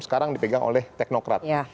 sekarang dipegang oleh teknokrat